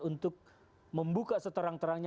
untuk membuka seterang terangnya